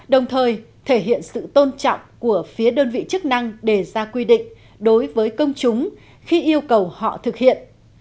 đồng thời thể hiện sự tôn trọng của phía đơn vị chức năng để ra quy định đối với công chúng khi yêu cầu họ thực hiện